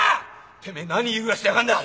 てめえ何言い触らしてやがんだ！